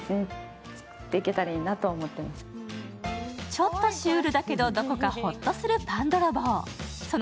ちょっとシュールだけどどこかホッとするパンどろぼう。